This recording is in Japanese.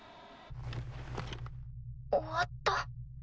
終わった？